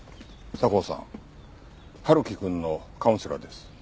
佐向さん春樹くんのカウンセラーです。